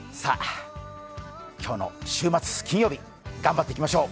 今日の週末、金曜日、頑張っていきましょう。